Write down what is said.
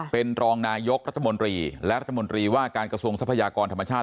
เป็นรองนายกรัฐมนตรีและรัฐมนตรีว่าการกระทรวงทรัพยากรธรรมชาติ